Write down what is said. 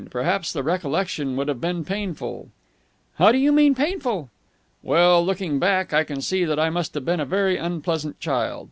Perhaps the recollection would have been painful." "How do you mean, painful?" "Well, looking back, I can see that I must have been a very unpleasant child.